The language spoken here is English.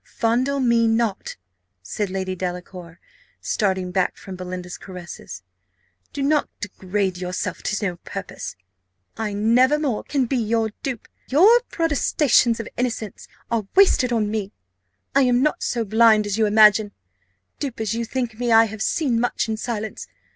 "Fondle me not," said Lady Delacour, starting back from Belinda's caresses: "do not degrade yourself to no purpose I never more can be your dupe. Your protestations of innocence are wasted on me I am not so blind as you imagine dupe as you think me, I have seen much in silence.